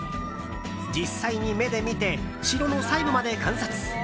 実際に目で見て城の細部まで観察。